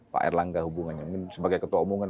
pak erlangga hubungannya sebagai ketua umum kan